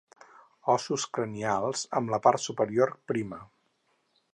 Ossos cranials amb la part superior prima.